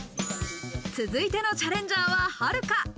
続いてのチャレンジャーは、はるか。